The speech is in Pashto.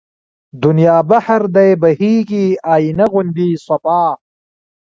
دنيا بحر دی بهيږي آينه غوندې صفا